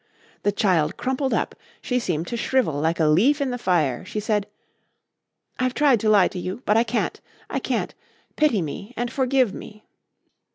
"The child crumpled up. She seemed to shrivel like a leaf in the fire. She said: "'I've tried to lie to you, but I can't. I can't. Pity me and forgive me.'